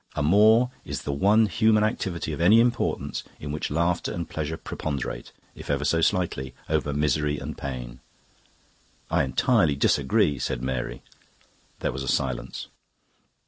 Amour is the one human activity of any importance in which laughter and pleasure preponderate, if ever so slightly, over misery and pain." "I entirely disagree," said Mary. There was a silence.